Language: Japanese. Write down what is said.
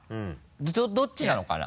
どっちなのかな？